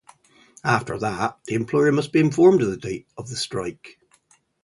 After that, the employer must be informed of the date of the strike.